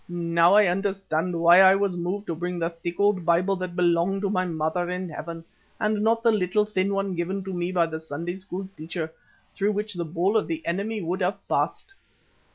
Now I understand why I was moved to bring the thick old Bible that belonged to my mother in heaven, and not the little thin one given to me by the Sunday school teacher, through which the ball of the enemy would have passed."